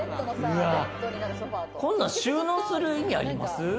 こんなん収納する意味あります？